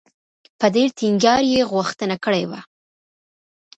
په ډېر ټینګار یې غوښتنه کړې وه.